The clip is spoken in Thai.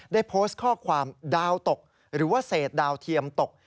ได้โพสต์ข้อความดาวตกหรือว่าเศษดาวเทียมตก